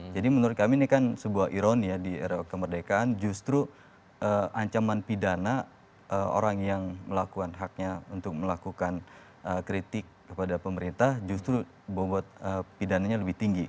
jadi menurut kami ini kan sebuah ironi ya di era kemerdekaan justru ancaman pidana orang yang melakukan haknya untuk melakukan kritik kepada pemerintah justru bobot pidananya lebih tinggi